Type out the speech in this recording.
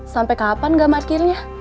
sampai kapan gak marketnya